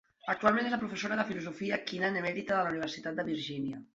Actualment és la professora de filosofia Kenan emèrita de la Universitat de Virgínia.